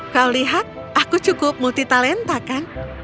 kau lihat aku cukup multi talenta kan